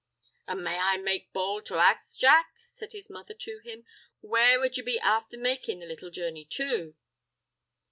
"An' may I make bould to ax, Jack," says his mother to him, "where would ye be afther makin' the little journey to?"